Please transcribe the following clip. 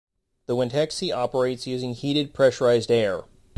The Windhexe operates using heated pressurized air.